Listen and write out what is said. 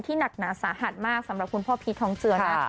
หนักหนาสาหัสมากสำหรับคุณพ่อพีชทองเจือนะ